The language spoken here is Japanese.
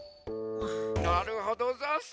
なるほどざんす。